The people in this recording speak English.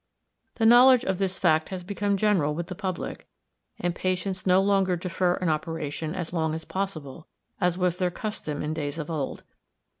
The knowledge of this fact has become general with the public, and patients no longer defer an operation as long as possible, as was their custom in days of old.